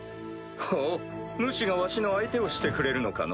ほぅ主がわしの相手をしてくれるのかのぅ？